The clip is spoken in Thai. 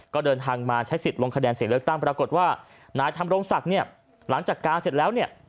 ก็เดินทางมาใช้สิทธิ์ลงคะแนนเสียงเลือกตั้งปรากฏว่านายธรรมรงศักดิ์เนี่ยหลังจากการเสร็จแล้วเนี่ย